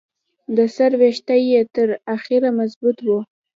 د سر ویښته یې تر اخره مضبوط وو.